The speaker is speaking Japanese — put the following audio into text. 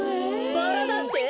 バラだって？